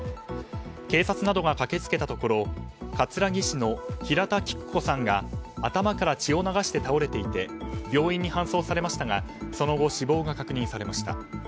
警察などが駆け付けたところ葛城市の平田菊子さんが頭から血を流して倒れていて病院に搬送されましたがその後、死亡が確認されました。